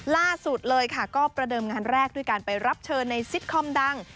ล่าสุดเลยค่ะก็ประเดิมงานแรกด้วยการไปรับเชิญในซิตคอมดัง